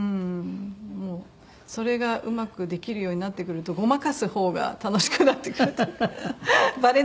もうそれがうまくできるようになってくるとごまかす方が楽しくなってくるバレないようにとか。